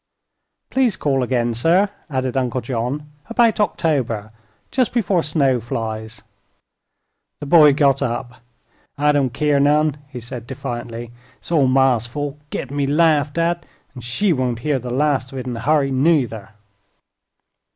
"Please call again, sir," added Uncle John; "about October just before snow flies." The boy got up. "I don't keer none," he said, defiantly. "It's all ma's fault, gittin' me laughed at, an' she won't hear the last of it in a hurry, nuther."